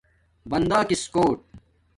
بندَگس کوٹ